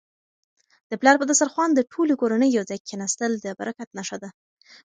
د پلار په دسترخوان د ټولې کورنی یو ځای کيناستل د برکت نښه ده.